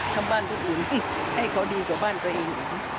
ทำบ้านคนอื่นให้เขาดีกว่าบ้านตัวเอง